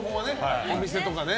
お店とかね。